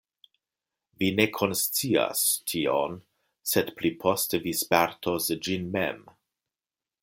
Vi ne konscias tion, sed pli poste vi spertos ĝin mem.